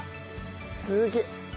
すげえ。